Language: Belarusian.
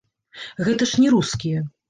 Гэта ж не рускія.